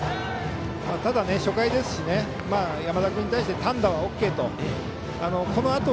ただ、初回ですし山田君に対して単打はＯＫと。